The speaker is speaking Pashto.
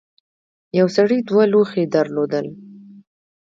یو سړي دوه لوښي درلودل.